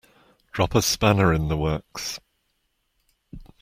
Drop a spanner in the works